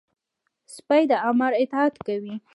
سپي د امر اطاعت کوي.